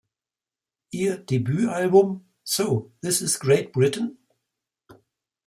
Ihr Debütalbum "So, This Is Great Britain?